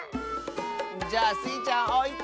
じゃあスイちゃんおいて！